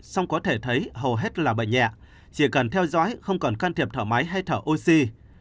song có thể thấy hầu hết là bệnh nhẹ chỉ cần theo dõi không còn can thiệp thở máy hay thở oxy